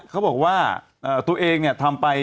เราไปกัดไปตัวเองเนี่ยทำไป